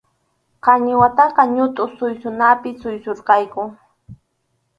Qañiwataqa ñutʼu suysunapi suysurqayku.